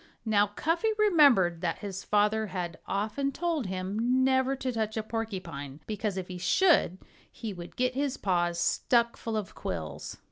Now, Cuffy remembered that his father had often told him never to touch a porcupine, because if he should he would get his paws stuck full of quills.